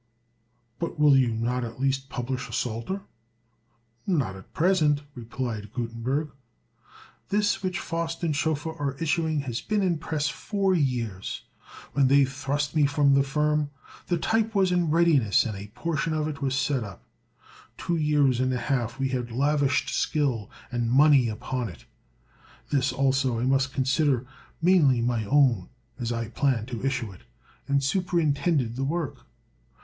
"But will you not at least publish a Psalter?" "Not at present," replied Gutenberg; "this which Faust and Schoeffer are issuing has been in press four years. When they thrust me from the firm, the type was in readiness, and a portion of it was set up. Two years and a half we had lavished skill and money upon it. This also I must consider mainly my own, as I planned to issue it, and superintended the work.